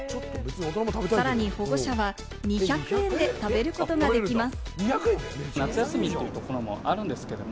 さらに保護者は２００円で食べることができます。